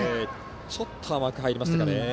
ちょっと甘く入りましたかね。